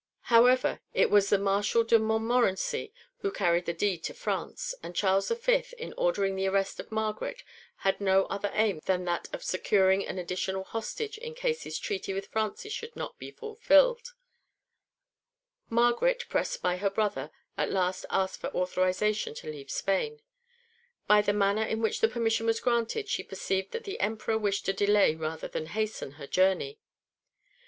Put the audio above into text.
(2) However, it was the Marshal de Montmorency who carried the deed to France, and Charles V. in ordering the arrest of Margaret had no other aim than that of securing an additional hostage in case his treaty with Francis should not be fulfilled. 1 Captivité de François 1er, &c., p. 85. 2 Génin's Notice in the Lettres de Marguerite, &c., p. 25. Margaret, pressed by her brother, at last asked for authorisation to leave Spain. By the manner in which the permission was granted she perceived that the Emperor wished to delay rather than hasten her journey.